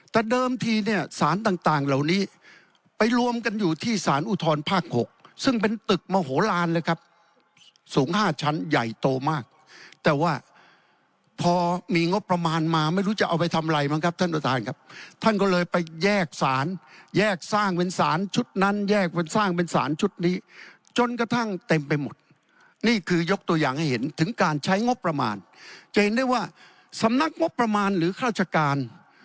แต่เดิมทีเนี่ยสารต่างเหล่านี้ไปรวมกันอยู่ที่สารอุทธรภาค๖ซึ่งเป็นตึกมโหลานเลยครับสูง๕ชั้นใหญ่โตมากแต่ว่าพอมีงบประมาณมาไม่รู้จะเอาไปทำอะไรบ้างครับท่านประธานครับท่านก็เลยไปแยกสารแยกสร้างเป็นสารชุดนั้นแยกเป็นสร้างเป็นสารชุดนี้จนกระทั่งเต็มไปหมดนี่คือยกตัวอย่างให้เห็นถึงการใช้งบประมาณจะเห็นได้ว่าสำนักงบประมาณหรือราชการ